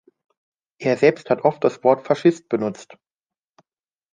Er selbst hat oft das Wort "Faschist" benutzt.